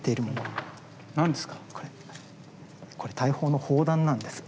これ大砲の砲弾なんです。